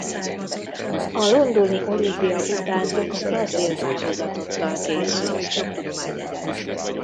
A londoni olimpia után a brazil válogatottal készült.